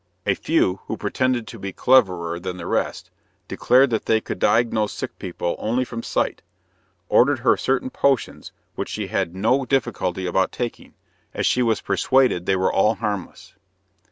A few, who pretended to be cleverer than the rest, declared that they could diagnose sick people only from sight, ordered her certain potions, which she made no difficulty about taking, as she was persuaded they were all harmless.